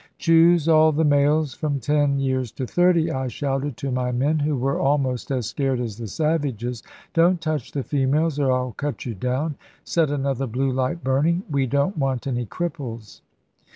"Choose all the males from ten years to thirty," I shouted to my men, who were almost as scared as the savages: "don't touch the females, or I'll cut you down. Set another blue light burning: we don't want any cripples."